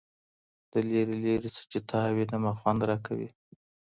د ليري، ليري څه چي تا وينمه خوند راكوي